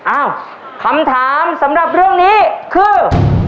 อ้าวคำถามสำหรับเรื่องนี้คือ